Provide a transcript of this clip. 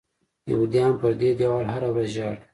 یهودیان پر دې دیوال هره ورځ ژاړي.